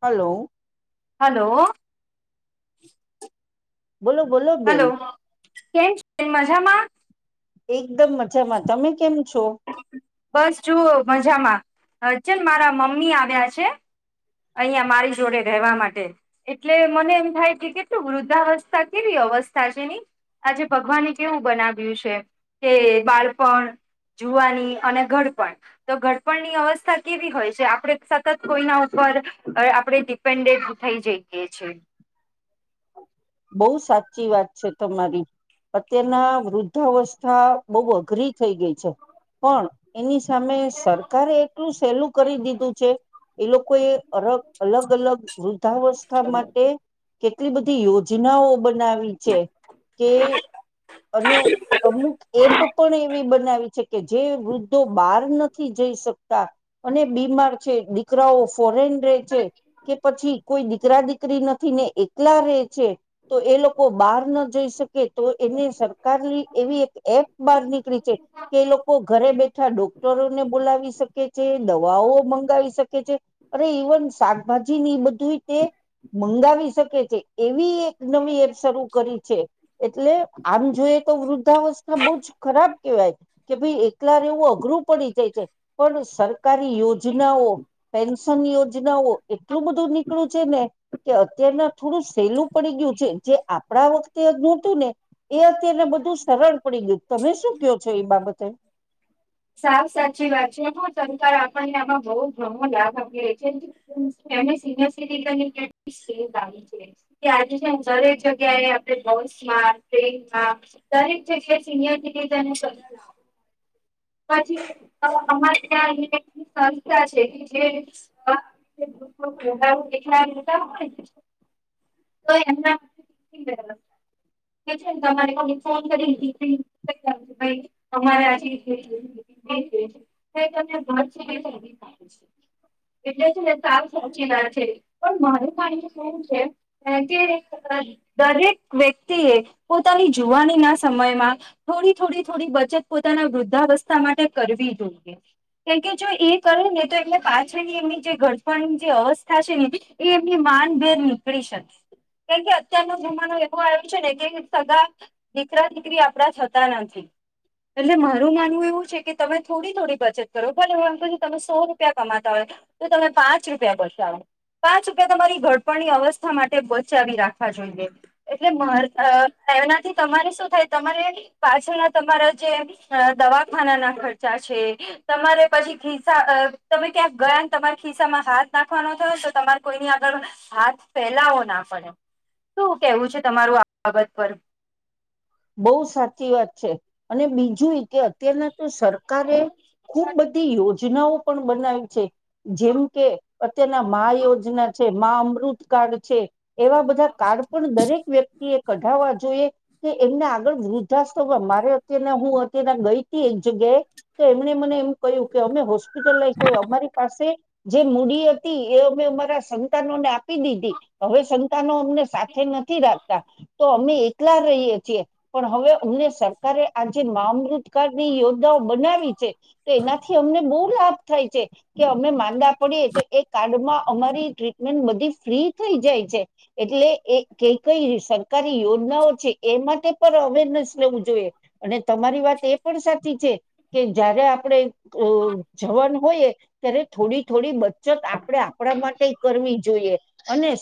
Hello. Hello. બોલો બોલો બેન હલો કે [unintelligible] [unintelligible] મા એકદમ મજામાં. તમે કેમ? છો બસ જુઓ મજામાં. હન ચલ મારા મમ્મી આવ્યા છે. અહિયાં મારી જોડે રહેવા માટે એટલે મને એમ થાય કે કેટલું વૃદ્ધાવસ્થા કેવી અવસ્થા છે ની. આજે ભગવાને કેવું બનાવ્યું છે કે બાળપણ જુવાની અને ઘડપણ તો ઘડપણની અવસ્થા કેવી હોય છે. આપડે સતત કોઈના પર આપડે ડિપેન્ડેડ થઈ જઈએ છીએ. બહુ સાચી વાત છે તમારી. અત્યારના વૃદ્ધાવસ્થા થા બઉ અઘરી થઈ ગઈ પણ એની સામે સરકારે એટલું સહેલું કરી દીધું છે. એ લોકોએ અરગ અલગ-અલગ વૃદ્ધાવસ્થા માટે કેટલી બધી યો જેના [unintelligible] કે અને અમુક એપ પણ એવી બનાવી છે કે જે વૃદ્ધો બહાર નથી જઈ શકતા અને બીમાર છે. દીકરાઓ ફોરેન રે છે કે પછી કોઈ દીકરા દીકરી નથી ને એકલા રે છે. તો એ લોકો બહાર ન જઈ શકે કે તો એને સરકારની એવી એક એપ બહાર નીકળી છે કે એ લોકો ઘરે બેઠા ડોક્ટરોને બોલાવી શકે છે દવાઓ મંગાવી શકે છે અ ઇવન શાકભાજી ની બધું તે મંગાવી શકે છે એવી એક નવી એરસરૂું કરી છે એટલે આમ જોઈએ તો વૃદ્ધાવસ્થા બહુ જ ખરાબ કેવાય કે ભાઈ એકલા ર એવું અઘરું પડી જાય છે પણ સર સરકારી યોજનાઓ પ ન યોજનાઓ એટલું બધું નીકળ્યું છે ને કે અત્યાર ના થોડું સેલું પડી ગયું જે આપણા વખતે ન હતું ને એ અત્યને બધું સરળ પડી ગયું તમે શું કહો છો એ બાબત તો સાવ સાચી વાત છે હ સરકાર આપણને આમાં બહ ઘણો લાભ આપી રહી છે સનય સ સેફ છે આજે દરેક જગ્યાએ આપ બસ ટનમાં દરેક જગ્યાએ સિયરટીન છ અમા ત્યાં સંસ્થા છે જે હો એટલે સાચી ના છે પણ માર માન એવું છે કે દરેક વ્યક્તિ એ પોતાની જુવાની ના સમયમાં થોડી થોડી થોડી બચત પોતાના વૃદ્ધ બધસ્થા માટે કરવી જોઈએ કેમકે જો એ કરે ને તો એટલે પાછળની એમની જે ગડફણની જે અવસ્થા છે ને એ એમની માનભેર નીકળી શકે કેમકે અત્યારનો જમાનો એવો આવ્યો છે ને કે સગા દીકરા દીકરી આપણા થતા નથી એટલે મા માનવું એવું છે કે તમે થોડી થોડી બચત કરો ભલે હ અંકુ તમે સો રૂપિયા કમાતા હોય તો તમે પાંચ રૂપિયા બચાવો પાંચ રૂપિયા તમારી ઘડપણની અવસ્થા માટે બચાવી રાખવા જોઈએ એટલે એનાથી તમારે શું થાય તમારે પાછળના તમારા જે દવાખાનાના ખર્ચા છે તમારે પછી ખિસ્સા તમે ક્યાંક ગયા ને તમારા ખિસ્સા માં હાથ નાખવાનો થયો ને તો તમારે કોઈની આગળ હાથ ફેલાવો ના પડે શું કેવું છે તમારું આ બાબત પર બહુ સાચી વાત છે અને બીજું એ કે અત્યારના તો સરકારે ખુબ બધી યોજના જૂનાઓ પણ બનાય છે જેમ કે અત્યારના મહ યોજના છે માં અમૃતકાળ છે એવા બધા કાર્ડ પણ દરેક વ્યક્તિ એ કઢાવવા જોઈએ કે એમને આગળ વૃદ્ધાસ્ મારે અત્યારના હું અત્યારના ગઈ હતી એક જગ્યાએ તો એમણે મને એમ કહ્યું કે અમે હોસ્પિટલ લઈ જાય અમારી પાસે જે મૂડી હતી એ અમે અમારા સંતાનોને આપી દીધી હવે સંતાનો તમને સાથે નથી રાખ તો અમે એકલા રહીએ પણ હવે અમને સરકારે આજે મામૃતકાળની યોજનાઓ બનાવી છે તો એનાથી અમને બહુ લાભ થાય છે કે અમને માંદા પડીએ તો એ કાર્ડમાં અમારી ટ્રીટમેન્ટ બધી ફ્રી થઈ જાય છે એટલે એ કઈ કઈ સરકારી યોજનાઓ છે એ માટે પણ અવેરનેસ લેવું જોઈએ અને તમારી વાત એ પણ સારી કે જયારે આપણે જવાન હોયએ ત્યારે થોડી થોડી બચત આપણેે આપણા માટે કરવી જોઈએ અને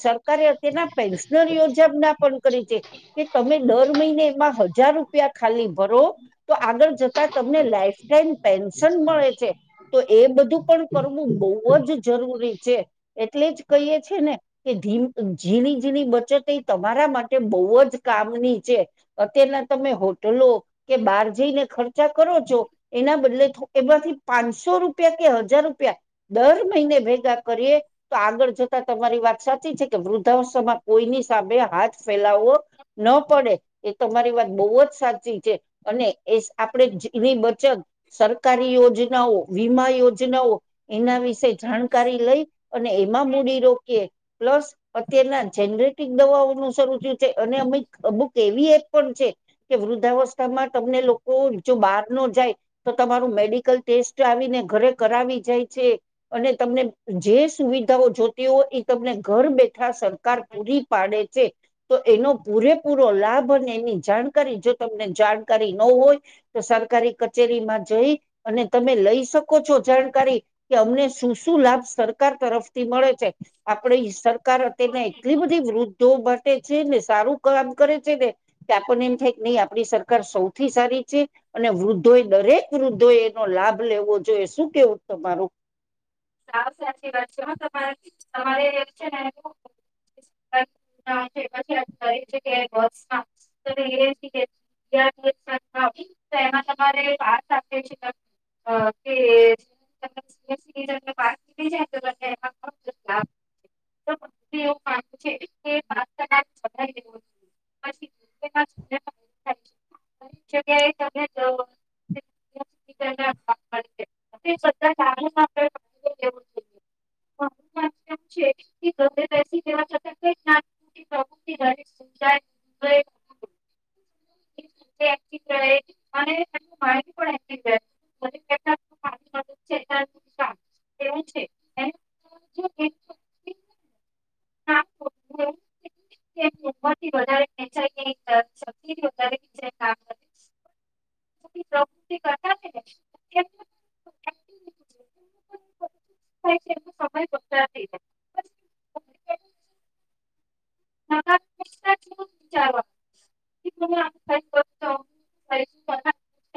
તેના પેન્શનર યોજબ ના પણ કરી છે કે તમે દર મહિને એમાં હજાર રૂપિયા ખાલી ભરો તો આગળ જતા તમને લાઈફ ટાઈમ પેન્શન મળે છે તો એ બધું પણ કરવું બહુ જ જરૂરી છે એટલે જ કહીએ છે ને કેી ઝીણી ઝીણી બચત તમારા માટે બહુ જ કામની અત્યારના તમે હોટલો કે બહાર જઈને ખર્ચા કરો છો એના બદલે એમાંથી પાંચસો રૂપિયા કે હજાર રૂપિયા દર મહિને ભેગા કરીએ તો આગળ જતા તમારી વાત સાચી છે કે વૃદ્ધાવસ્ામાં કોઈની સામે હાથ ફેલાવવો ન પડે એ તમારી વાત બહુ જ સાચી છે અને એ આપડણે જીવી બચત મ સરકારી યોજનાઓ વીમા યોજનાઓ એના વિ શે જાણકારી લઈ અને માં મૂડી રોકીએ પ્લસ અત્યારના જેનરેટિક દવાઓ નુ શરુ થયું છે અને અમે અમુક એવી એપ પણ છે કે વૃદ્ધાવસ્થામાં તમને લોકો જો બહાર નો જાય તો તમારું મેડિકલ ટેસ્ટ આવીને ઘરે કરાવી જાય છે અને તમને જે સુવિધાઓ જોતી હોય એ તમને ઘર બેઠા સરકાર પૂરી પાડે છે તો એનો પૂરે પૂરો લાભ અને એની જાણકારી જો તમને જાણકારી નો હોય તો સરકારી કચેરીમાં જઈ અને તમે લઈ શકો છો જાણકારી કે અમને શું શું લાભ સરકાર તરફથી મળે છે આપણી સરકાર અત્યના એટલી બધી વૃદ્ધો માટે છે ને સારું કામ કરે છે ને કે આપણને એમ થાય કે નહી આપણી સરકાર સૌથી સારી છે અને વૃદ્ધોએ દરેક વૃદ્ધો એનો લાભ લેવો જોઈએ શું કેવું તમારું. હાવ સાચી વાત છે હો ન તમારે એમ જ ન. [unintelligible] [unintelligible] [inaudible] [inaudible] [inaudible] [inaudible]